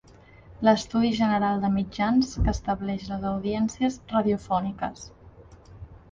L'Estudi General de Mitjans que estableix les audiències radiofòniques.